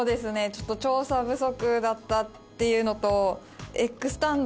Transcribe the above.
ちょっと調査不足だったっていうのと。